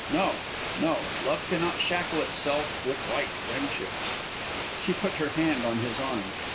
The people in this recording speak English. No, no; love cannot shackle itself with white friendships." She put her hand on his arm.